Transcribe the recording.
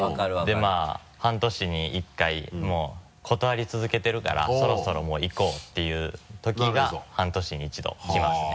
でまぁ半年に１回もう断り続けてるからそろそろもう行こうっていう時が半年に一度きますね。